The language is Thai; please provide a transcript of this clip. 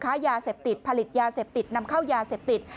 ค้ายาเสพติดผลิตยาเสพติดนำเข้ายาเสพติด